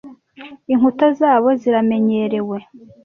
inkuta zabo ziramenyerewe